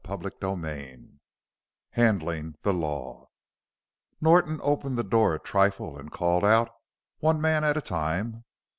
CHAPTER XXV HANDLING THE LAW Norton opened the door a trifle and called "One man at a time!"